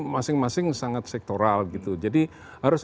masing masing sangat sektoral gitu jadi harus